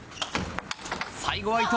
最後は伊藤。